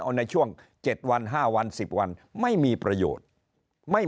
เอาในช่วง๗วัน๕วัน๑๐วันไม่มีประโยชน์ไม่